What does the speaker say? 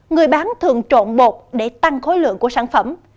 người bán thường trộn bột để tăng khối lượng của sản phẩm